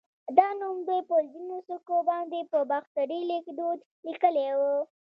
دا نوم دوی په ځینو سکو باندې په باختري ليکدود لیکلی و